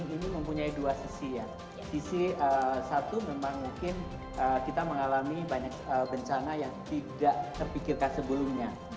ini mempunyai dua sisi ya sisi satu memang mungkin kita mengalami banyak bencana yang tidak terpikirkan sebelumnya